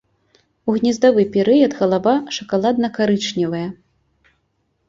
У гнездавы перыяд галава шакаладна-карычневая.